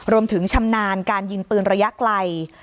รวมถึงชำนาญการยิงปืนระยะไกล